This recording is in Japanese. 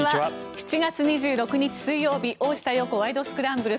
７月２６日、水曜日「大下容子ワイド！スクランブル」。